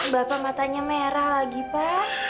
bapak matanya merah lagi pak